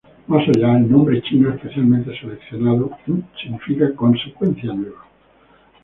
Más allá, el nombre chino especialmente seleccionado, 新达, significa "consecución nueva".